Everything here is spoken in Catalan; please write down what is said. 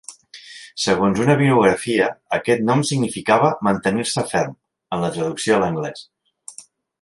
Segons una biografia, aquest nom significava "mantenir-se ferm" en la traducció a l'anglès.